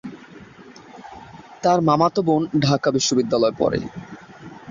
তার মামাতো বোন ঢাকা বিশ্ববিদ্যালয়ে পড়ে।